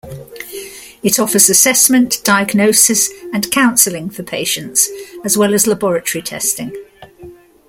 It offers assessment diagnosis and counselling for patients as well as laboratory testing.